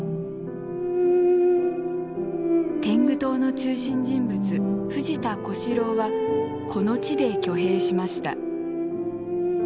天狗党の中心人物藤田小四郎はこの地で挙兵しました。